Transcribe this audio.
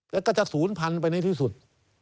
แล้วก็จะศูนย์พันธุ์ไปในที่สุด